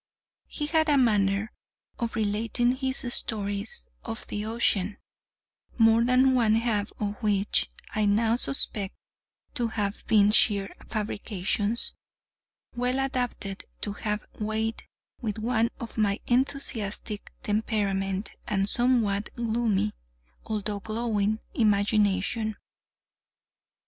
He had a manner of relating his stories of the ocean (more than one half of which I now suspect to have been sheer fabrications) well adapted to have weight with one of my enthusiastic temperament and somewhat gloomy although glowing imagination.